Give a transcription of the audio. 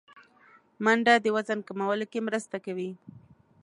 منډه د وزن کمولو کې مرسته کوي